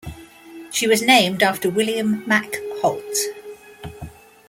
She was named after William Mack Holt.